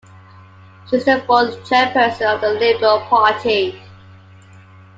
She is the fourth chairperson of the Liberal Party.